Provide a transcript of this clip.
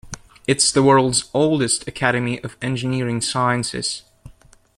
It is the world's oldest academy of engineering sciences.